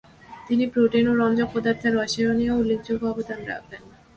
তিনি প্রোটিন ও রঞ্জক পদার্থের রসায়নেও উল্লেখযোগ্য অবদান রাখেন।